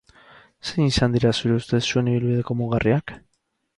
Zein izan dira, zure ustez, zuen ibilbideko mugarriak?